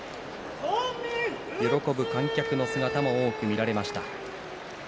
喜ぶ観客の姿も多く見られました。